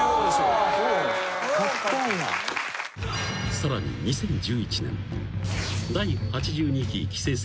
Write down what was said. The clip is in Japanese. ［さらに２０１１年］